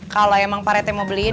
kalau emang paretnya mau beliin